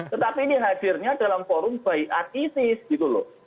tetapi ini hadirnya dalam forum by art isis gitu loh